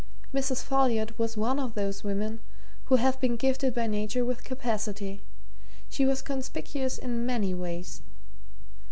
Mrs. Folliot was one of those women who have been gifted by nature with capacity she was conspicuous in many ways.